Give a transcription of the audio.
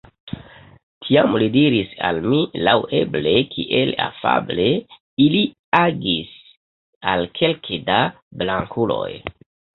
Tiam li diris al mi laŭeble, kiel afable ili agis al kelke da blankuloj.